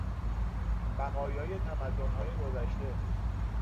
بقایای تمدنهای گذشته